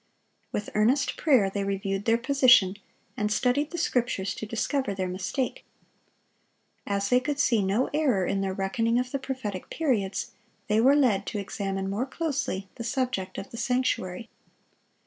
With earnest prayer they reviewed their position, and studied the Scriptures to discover their mistake. As they could see no error in their reckoning of the prophetic periods, they were led to examine more closely the subject of the sanctuary.